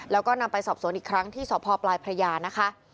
แล้วก็นำไปสอบสวนอีกครั้งที่สพปลายพระยานะคะ